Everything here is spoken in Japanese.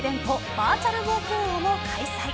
バーチャル冒険王も開催。